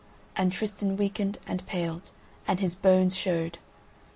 And Tristan weakened and paled, and his bones showed.